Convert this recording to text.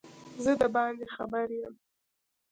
زه دباندي خبر یم